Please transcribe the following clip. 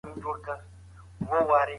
تاسي باید د خپل عزت دپاره قرباني سئ.